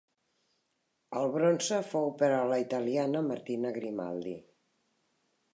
El bronze fou per a la italiana Martina Grimaldi.